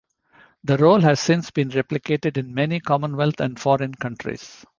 The role has since been replicated in many Commonwealth and foreign countries.